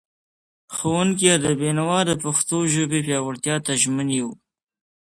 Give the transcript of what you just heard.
استاد بینوا د پښتو ژبې پیاوړتیا ته ژمن و.